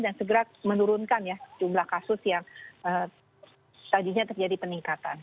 dan segera menurunkan jumlah kasus yang tajuknya terjadi peningkatan